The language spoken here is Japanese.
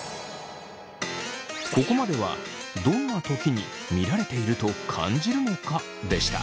ここまではどんなときに見られていると感じるのか？でした。